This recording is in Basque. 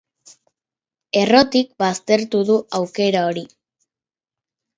Errotik baztertu du aukera hori.